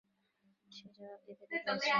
সে জবাব দিতে দেরি করছে।